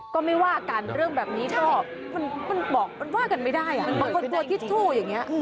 ก็ไม่ว่ากันเรื่องแบบนี้ก็มันบอกมันว่ากันไม่ได้บางคนกลัวทิชชู่อย่างนี้